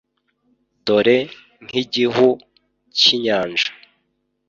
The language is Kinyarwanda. dore nk'igihu cy'inyanja,